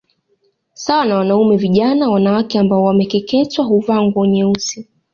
Sawa na wanaume vijana wanawake ambao wamekeketewa huvaa nguo nyeusi